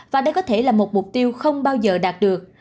và đây có thể là một mục tiêu không bao giờ đạt được